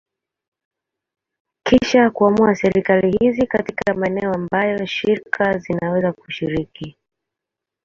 Kisha kuamua serikali hizi katika maeneo ambayo shirika zinaweza kushiriki.